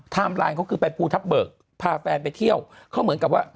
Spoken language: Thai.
ไลน์เขาคือไปภูทับเบิกพาแฟนไปเที่ยวเขาเหมือนกับว่า